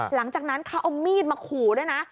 หลังจากนั้นเขาเอามีดมาขู่ด้วยนะ